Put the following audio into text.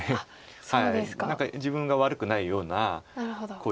何か自分が悪くないようなイメージ。